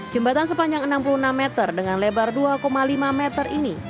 jembatan sepanjang enam puluh enam meter dengan lebar dua lima meter ini